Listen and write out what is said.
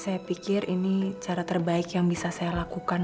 iya bu saya pikir ini cara terbaik yang bisa diberikan